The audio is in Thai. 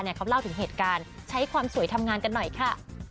เขาเล่าถึงเหตุการณ์ใช้ความสวยทำงานกันหน่อยค่ะ